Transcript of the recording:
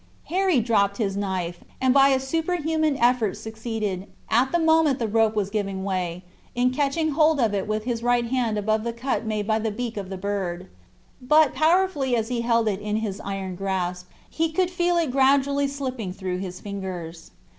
Harry dropped his knife, and by a superhuman effort succeeded, at the moment the rope was giving way, in catching hold of it with his right hand above the cut made by the beak of the bird. But, powerfully as he held it in his iron grasp, he could feel it gradually slipping through his fingers.